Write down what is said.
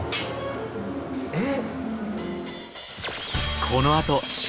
えっ？